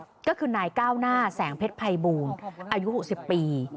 ก็คือนายก้าวหน้าแสงเพชรภัยบูรณ์อายุ๖๐ปี